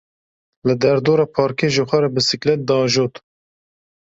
Li derdora parkê ji xwe re bisiklêt diajot.